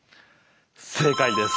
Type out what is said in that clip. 正解です。